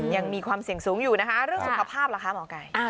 ยังมีความเสี่ยงสูงอยู่นะคะเรื่องสุขภาพล่ะคะหมอไก่